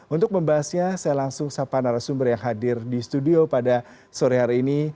untuk membahasnya saya langsung sapa narasumber yang hadir di studio pada sore hari ini